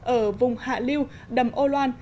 ở vùng hạ liêu đầm âu loan